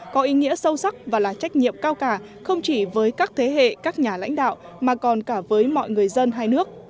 có ý nghĩa sâu sắc và là trách nhiệm cao cả không chỉ với các thế hệ các nhà lãnh đạo mà còn cả với mọi người dân hai nước